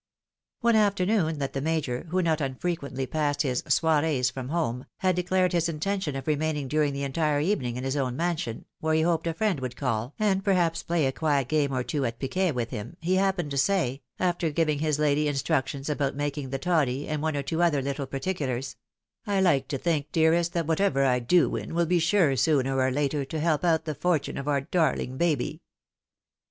One afternoon that the Major, who not unfrequently passed his soirees from home, had declared his intention of remaining during the entire evening in his own mansion, where he hoped a friend would call and perhaps play a quiet game or two at piquet with him, he happened to say, after giving his lady in structions about making the toddy, and one or two other little particulars, " I like to think, dearest, that whatever I do win will be sure, sooner or later, to help out the fortune of our darling baby."